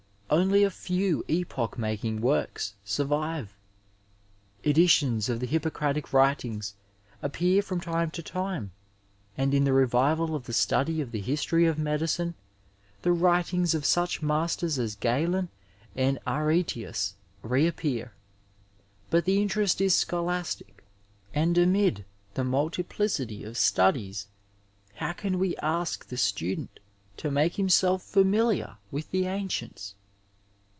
Only a few epoch making works survive. Editions of the Hippocratic writings appear from time to time, and in the revival of the study of the history of medicine the writings of such masters as Galen and AretsBus reappear, but the interest is scholastic, and amid 815 Digitized by VjOOQIC SOME ASPECTS OF AMERICAN the mtdtiplicily of stadies how can we ask the stod^ to make himaelf hmiliar with the andents?